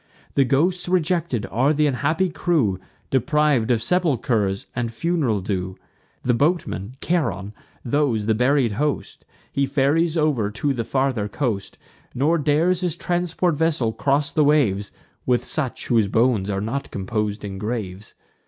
The ghosts rejected are th' unhappy crew Depriv'd of sepulchers and fun'ral due: The boatman, Charon; those, the buried host, He ferries over to the farther coast; Nor dares his transport vessel cross the waves With such whose bones are not compos'd in graves.